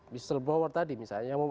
misal bauer tadi misalnya